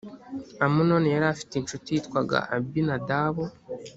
amunoni yari afite incuti yitwaga abinadabu